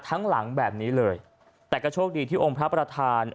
ทั้งหลังแบบนี้เลยแต่ก็โชคดีที่องค์พระประธาน